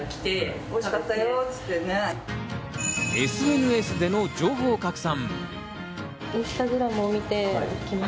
ＳＮＳでの情報拡散。